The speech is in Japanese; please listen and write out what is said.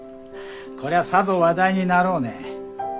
こりゃあさぞ話題になろうね。